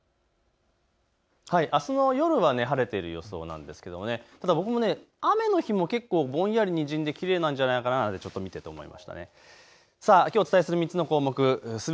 あすの夜は晴れている予想なんですけど、ただ僕も、雨の日も結構ぼんやりにじんで、きれいなんじゃないかなと思いましたね。